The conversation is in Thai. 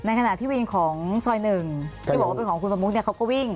ในขณะที่วินของซอยหนึ่งหรือเป็นของคุณประมุกเขาก็วิ่ง